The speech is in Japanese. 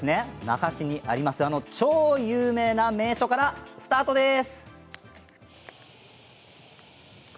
那覇市にあるあの超有名な名所からスタートです。